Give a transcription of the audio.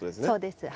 そうです。